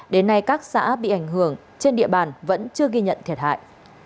đến nay các xã bị ảnh hưởng trên địa bàn vẫn chưa ghi nhận thiệt hại